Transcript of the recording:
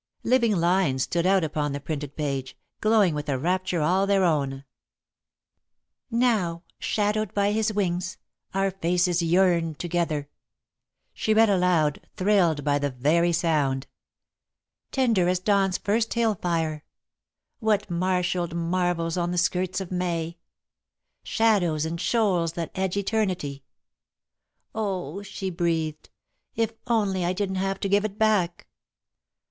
Living lines stood out upon the printed page, glowing with a rapture all their own. [Sidenote: Thrilling Lines] "Now, shadowed by his wings, our faces yearn Together," she read aloud, thrilled by the very sound. "Tender as dawn's first hill fire," ... "What marshalled marvels on the skirts of May," ... "Shadows and shoals that edge eternity." ... "Oh," she breathed, "if only I didn't have to give it back!"